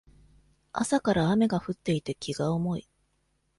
朝から雨が降っていて気が重い